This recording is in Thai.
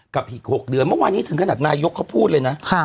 กับอีก๖เดือนเมื่อวานนี้ถึงขนาดนายกเขาพูดเลยนะ